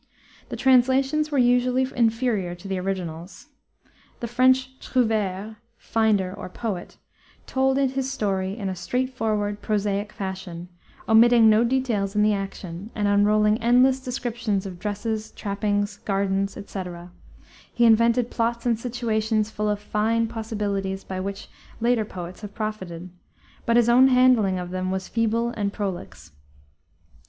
The translations were usually inferior to the originals. The French trouvere (finder or poet) told his story in a straight forward, prosaic fashion, omitting no details in the action and unrolling endless descriptions of dresses, trappings, gardens, etc. He invented plots and situations full of fine possibilities by which later poets have profited, but his own handling of them was feeble and prolix.